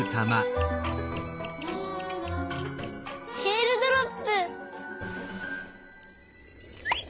えーるドロップ！